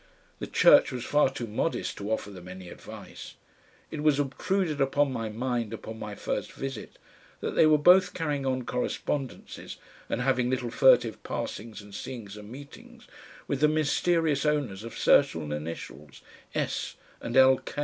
The church was far too modest to offer them any advice. It was obtruded upon my mind upon my first visit that they were both carrying on correspondences and having little furtive passings and seeings and meetings with the mysterious owners of certain initials, S. and L.